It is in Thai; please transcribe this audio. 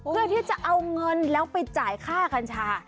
เพื่อที่จะเอาเงินแล้วไปจ่ายค่ากัญชา